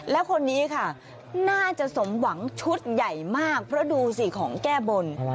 แล้วคนนี้ค่ะน่าจะสมหวังชุดใหญ่มากเพราะดูสิของแก้บน